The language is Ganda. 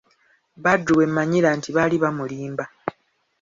Badru we manyira nti baali bamulimba.